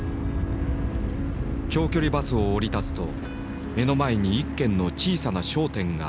長距離バスを降り立つと目の前に一軒の小さな商店があった。